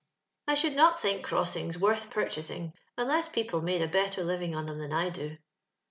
" I should not think crossingB worth pur chasing, unless people made a better living od them than I do."